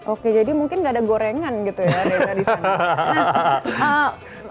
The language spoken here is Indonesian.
oke jadi mungkin nggak ada gorengan gitu ya dari sana